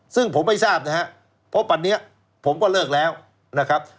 ซึ่งผมไม่ทราบนะครับเพราะปันนี้ผมก็เลิกแล้วนะครับ